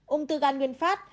ung thư gan nguyên phát